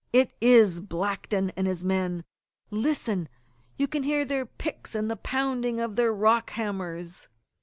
"It is Blackton and his men! Listen! you can hear their picks and the pounding of their rock hammers!"